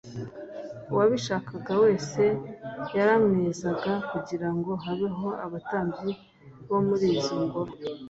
Uwabishakaga wese, yaramwezaga, kugira ngo habeho abatambyi bo muri izo ngoro